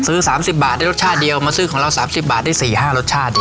ซื้อ๓๐บาทได้รสชาติเดียวมาซื้อของเรา๓๐บาทได้๔๕รสชาติ